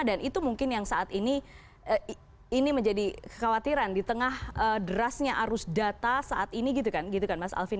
dan itu mungkin yang saat ini menjadi kekhawatiran di tengah derasnya arus data saat ini gitu kan mas alvin